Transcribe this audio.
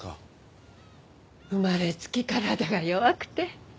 生まれつき体が弱くて。